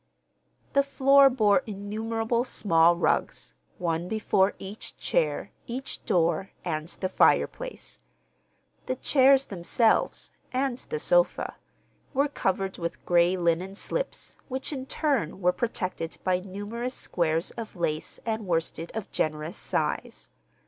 The floor bore innumerable small rugs, one before each chair, each door, and the fireplace. The chairs themselves, and the sofa, were covered with gray linen slips, which, in turn, were protected by numerous squares of lace and worsted of generous size.